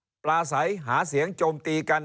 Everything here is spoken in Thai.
ถ้าการปลาใสหาเสียงโจมตีกัน